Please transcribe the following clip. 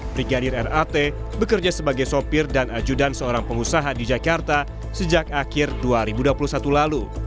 brigadir rat bekerja sebagai sopir dan ajudan seorang pengusaha di jakarta sejak akhir dua ribu dua puluh satu lalu